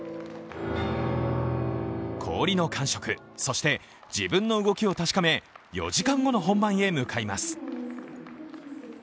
氷の感触、そして自分の動きを確かめ、４時間後の本番へ向かいます。